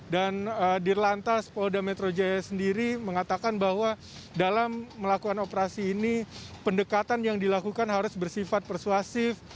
dan di lantas polda metro jaya sendiri mengatakan bahwa dalam melakukan operasi ini pendekatan yang dilakukan harus bersifat persuasif